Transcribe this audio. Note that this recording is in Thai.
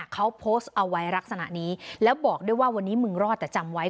เขาโพสต์เอาไว้ลักษณะนี้แล้วบอกด้วยว่าวันนี้มึงรอดแต่จำไว้